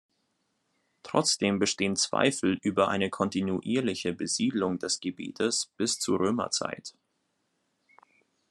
Trotzdem bestehen Zweifel über eine kontinuierliche Besiedlung des Gebietes bis zu Römerzeit.